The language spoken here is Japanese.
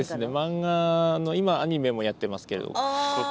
漫画の今アニメもやってますけれど。